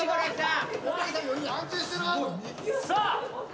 さあ。